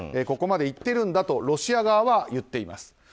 ここまでいっているんだとロシア側は言っています。